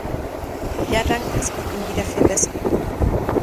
Ja danke, es geht ihm wieder viel besser.